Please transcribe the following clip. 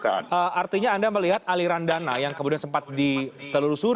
oke pak soleman artinya anda melihat aliran dana yang kemudian sempat ditelusuri oleh ppatk